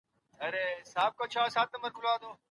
ایا د اوس وخت حالات پر ماضي تاثیر لري؟